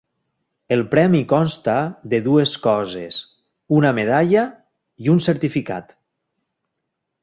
El premi consta de dues coses: una medalla i un certificat.